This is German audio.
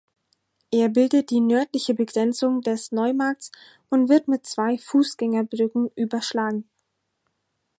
Er bildet die nördliche Begrenzung des Neumarkts und wird mit zwei Fußgängerbrücken überschlagen.